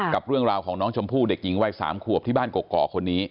กับเรื่องราวของน้องชมพู่เด็กหญิงวัย๓ขวบที่บ้านกกอกคนนี้